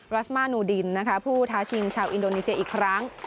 ราชมานูดินนะคะผู้ท้าชิงชาวอินโดนีเซียอีกครั้ง